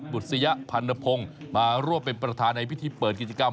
บุษยพันธพงศ์มาร่วมเป็นประธานในพิธีเปิดกิจกรรม